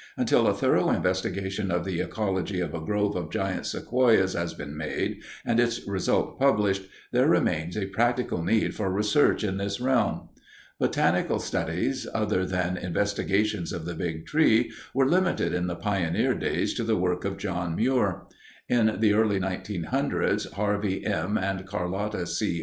Until a thorough investigation of the ecology of a grove of giant sequoias has been made and its result published, there remains a practical need for research in this realm. Botanical studies other than investigations of the Big Tree were limited in the pioneer days to the work of John Muir. In the early 1900's, Harvey M. and Carlotta C.